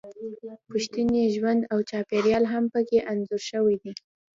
پښتني ژوند او چاپیریال هم پکې انځور شوی دی